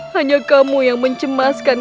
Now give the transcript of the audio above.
hanya kamu yang mencemaskan